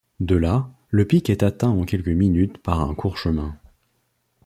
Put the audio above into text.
De là, le pic est atteint en quelques minutes par un court chemin.